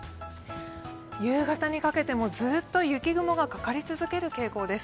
夕方にかけてもずっと雪雲がかかり続ける傾向です。